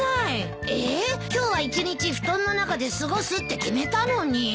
えっ今日は一日布団の中で過ごすって決めたのに。